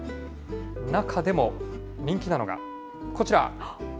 中でも人気なのが、こちら。